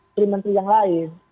kementerian yang lain